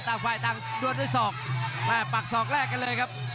ต่างฝ่ายต่างดวนด้วยศอกแม่ปักศอกแรกกันเลยครับ